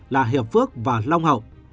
là hiệp phước và long hậu